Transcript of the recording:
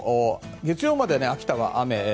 月曜まで秋田は雨。